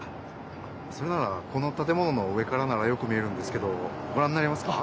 それならこのたてものの上からならよく見えるんですけどごらんになりますか？